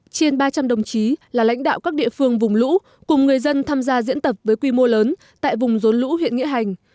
trên ba trăm linh đồng chí là lãnh đạo các địa phương vùng lũ cùng người dân tham gia diễn tập với quy mô lớn tại vùng rốn lũ huyện nghĩa hành